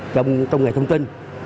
trong nghề thông tin